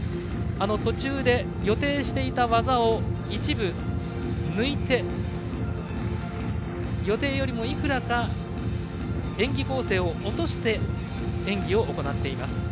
途中で予定していた技を一部抜いて予定よりもいくらか演技構成落として演技を行っています。